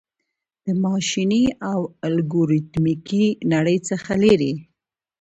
د ماشیني او الګوریتمیکي نړۍ څخه لیري